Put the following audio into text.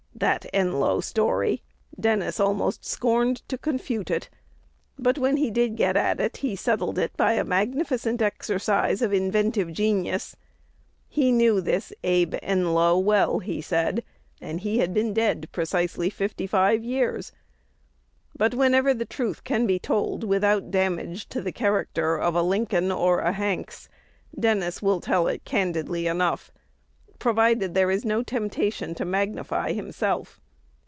That Enlow story! Dennis almost scorned to confute it; but, when he did get at it, he settled it by a magnificent exercise of inventive genius. He knew "this Abe Enlow" well, he said, and he had been dead precisely fifty five years. But, whenever the truth can be told without damage to the character of a Lincoln or a Hanks, Dennis will tell it candidly enough, provided there is no temptation to magnify himself.